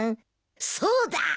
そうだ！